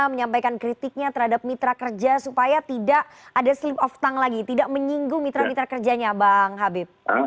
menyampaikan kritiknya terhadap mitra kerja supaya tidak ada slip of tong lagi tidak menyinggung mitra mitra kerjanya bang habib